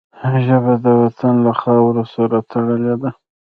ژبه د وطن له خاورو سره تړلې ده